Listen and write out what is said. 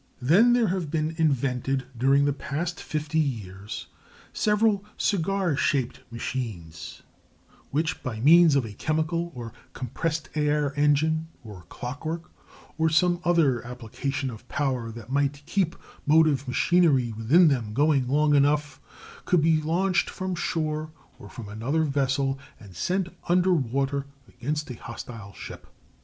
] Then there have been invented, during the past fifty years, several cigar shaped machines, which, by means of a chemical or compressed air engine or clockwork, or some other application of power that might keep motive machinery within them going long enough, could be launched from shore or from another vessel and sent under water against a hostile ship.